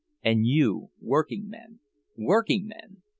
—And you, workingmen, workingmen!